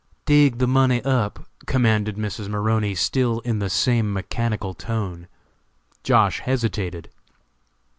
"Dig the money up," commanded Mrs. Maroney still in the same mechanical tone. Josh. hesitated.